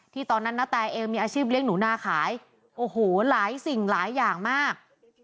ตอนนั้นนาแตเองมีอาชีพเลี้ยงหนูนาขายโอ้โหหลายสิ่งหลายอย่างมาก